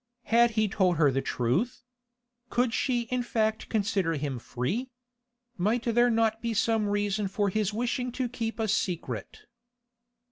Had he told her the truth? Could she in fact consider him free? Might there not be some reason for his wishing to keep a secret?